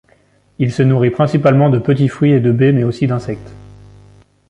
Il se nourrit principalement de petits fruits et de baies, mais aussi d'insectes.